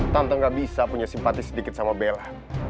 tante gak bisa punya simpati sedikit sama bella